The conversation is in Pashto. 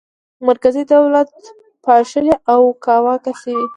مرکزي دولت پاشلی او کاواکه شوی و.